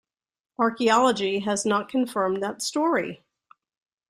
Archaeology has not confirmed that story.